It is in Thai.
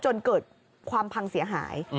จนเกิดความพังเสียหาย